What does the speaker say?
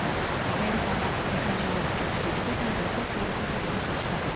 アメリカは世界中を侮辱し世界で起こっていることを無視したと。